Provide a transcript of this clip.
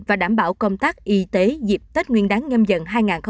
và đảm bảo công tác y tế dịp tết nguyên đáng ngâm dận hai nghìn hai mươi hai